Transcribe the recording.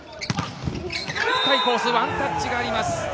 深いコース、ワンタッチがあります。